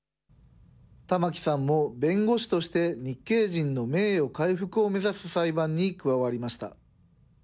タマキさんも弁護士として日系人の名誉回復を目指す裁判に加わりました。